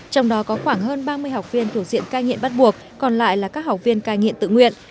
trong đó có khoảng hơn ba mươi học viên thuộc diện cai nghiện bắt buộc còn lại là các học viên cai nghiện tự nguyện